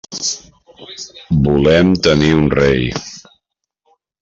Volem tenir un rei.